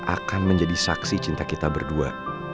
akan menjadi saksi cinta kita berdua